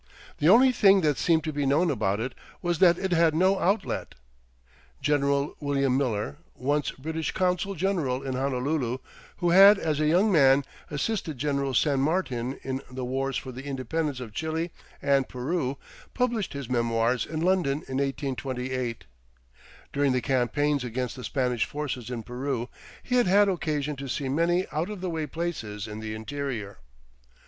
The only thing that seemed to be known about it was that it had no outlet. General William Miller, once British consul general in Honolulu, who had as a young man assisted General San Martin in the Wars for the Independence of Chile and Peru, published his memoirs in London in 1828. During the campaigns against the Spanish forces in Peru he had had occasion to see many out of the way places in the interior.